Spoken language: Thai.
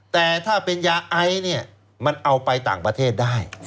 แต่ถ้าเป็นยาไอเนี่ยมันเอาไปต่างประเทศได้